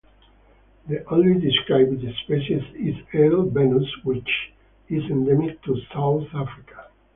The only described species is L. venus which is endemic to South Africa.